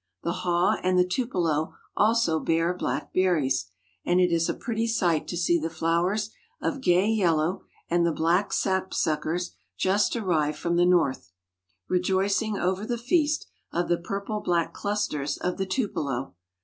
The haw and the tupelo also bear black berries, and it is a pretty sight to see the flowers of gay yellow and the black sapsuckers just arrived from the North, rejoicing over the feast of the purple black clusters of the tupelo.